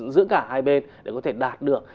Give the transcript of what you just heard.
giữa cả hai bên để có thể đạt được